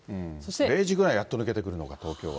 ０時ぐらいやっと抜けてくるのか、東京は。